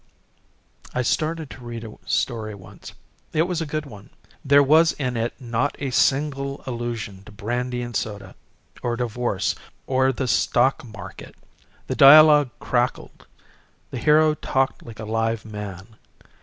I started to read a story once. It was a good one. There was in it not a single allusion to brandy and soda, or divorce, or the stock market. The dialogue crackled. The hero talked like a live man.